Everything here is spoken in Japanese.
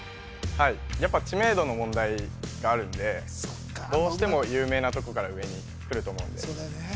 はいやっぱ知名度の問題があるんでどうしても有名なとこから上にくると思うんでそうだよね